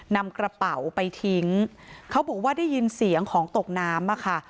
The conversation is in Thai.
นำกระเป๋าไปทิ้งเขาบอกว่าได้ยินเสียงของตกน้ำอ่ะค่ะ